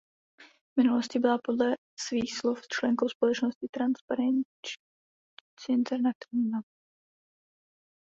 V minulosti byla podle svých slov členkou společnosti Transparency International.